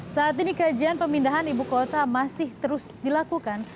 saat ini kajian pemindahan ibu kota masih terus dilakukan